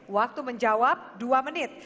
waktu menjawab dua menit